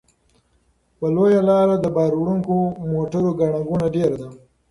په لویه لاره د بار وړونکو موټرو ګڼه ګوڼه ډېره ده.